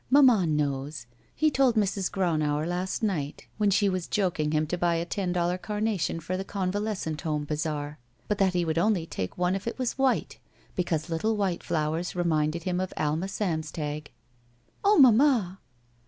Mamma knows. He told Mrs. Gronauer last night when she was jok ing him to buy a ten dollar carnation for the Con valescent Home Bazaar, that he would only take one if it was white, because little white flowers reminded him of Alma Samstag." Oh, mamma!"